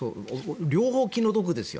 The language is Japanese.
両方気の毒ですよ。